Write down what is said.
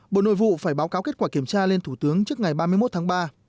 bộ nội vụ phải báo cáo kết quả kiểm tra lên thủ tướng trước ngày ba mươi một tháng ba